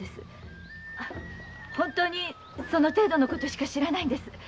本当にその程度のことしか知らないんです。